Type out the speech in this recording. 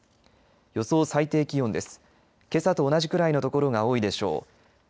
予想最低気温です。